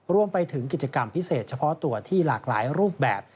รวมไปถึงกิจกรรมพิเศษเฉพาะตัวที่หลากหลายรูปแบบ